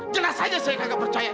jelas saja saya agak percaya